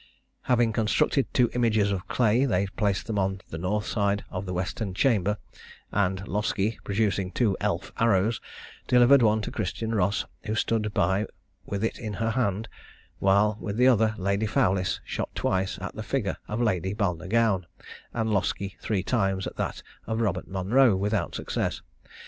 Having constructed two images of clay, they placed them on the north side of the western chamber, and Loskie, producing two elf arrows, delivered one to Christian Ross, who stood by with it in her hand, while, with the other, Lady Fowlis shot twice at the figure of Lady Balnagown, and Loskie three times at that of Robert Monro, without success.